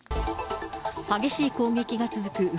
激しい攻撃が続く